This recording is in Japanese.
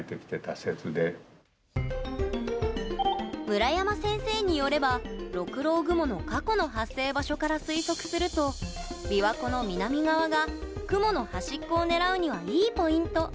村山先生によれば、六郎雲の過去の発生場所から推測すると琵琶湖の南側が雲の端っこを狙うにはいいポイント。